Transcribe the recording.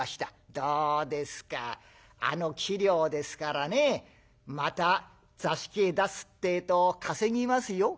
どうですかあの器量ですからねまた座敷へ出すってえと稼ぎますよ。